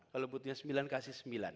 kalau butuhnya sembilan kasih sembilan